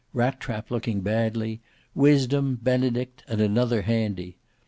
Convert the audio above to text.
Rat trap looking badly, Wisdom, Benedict and another handy.